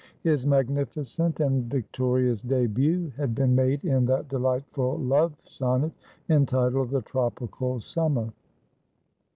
His magnificent and victorious debut had been made in that delightful love sonnet, entitled "The Tropical Summer."